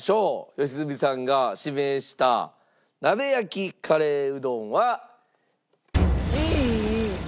良純さんが指名した鍋焼きカレーうどんは１位。